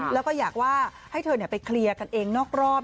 แล้วก็อยากว่าให้เธอไปเคลียร์กันเองนอกรอบ